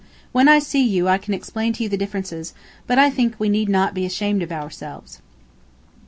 When I see you I can explain to you the differences, but I think we need not be ashamed of ourselves.